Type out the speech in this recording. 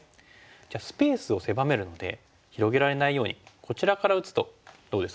じゃあスペースを狭めるので広げられないようにこちらから打つとどうですか安田さん。